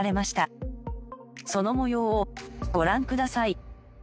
その模様をご覧ください。